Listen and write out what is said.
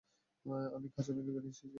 আমি খাঁচা ভেঙে বেরিয়ে এসেছি।